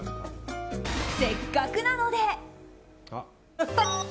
せっかくなので。